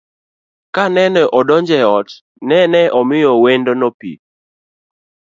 Kanene odonjo e ot, nene omiyo wendone pii